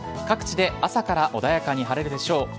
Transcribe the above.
各地で朝から穏やかに晴れるでしょう。